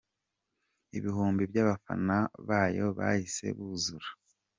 Ibihumbi by’abafana bayo bahise buzura